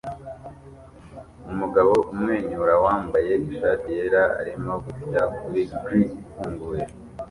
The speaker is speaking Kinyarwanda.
Umugabo umwenyura wambaye ishati yera arimo gusya kuri grill ifunguye